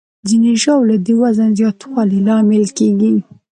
ځینې ژاولې د وزن زیاتوالي لامل کېږي.